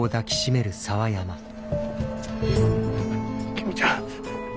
公ちゃん。